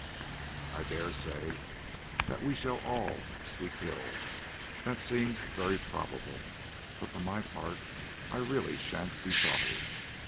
I dare say that we shall all be killed, that seems very probable, but for my part I really shan't be sorry.